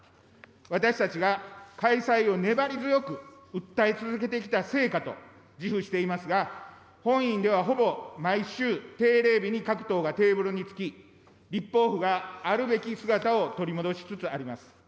私たちが開催を粘り強く訴え続けてきた成果と自負していますが、本院ではほぼ毎週、定例日に各党がテーブルに着き、立法府があるべき姿を取り戻しつつあります。